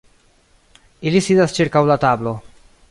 Ili sidas ĉirkaŭ la tablo.